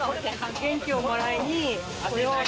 元気をもらいに。